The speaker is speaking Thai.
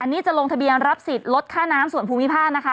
อันนี้จะลงทะเบียนรับสิทธิ์ลดค่าน้ำส่วนภูมิภาคนะคะ